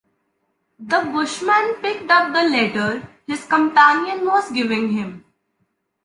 The bushman picked up the letter his companion was giving him.